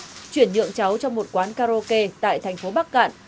cháu đã chuyển nhượng cháu trong một quán karaoke tại thành phố bắc cạn